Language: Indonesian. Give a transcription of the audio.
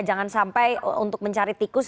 jangan sampai untuk mencari tikus